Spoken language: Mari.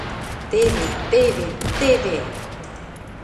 Теве, теве, теве!..